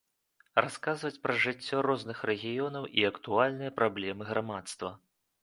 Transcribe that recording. Расказваць пра жыццё розных рэгіёнаў і актуальныя праблемы грамадства.